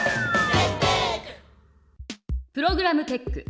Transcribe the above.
プログラムテック。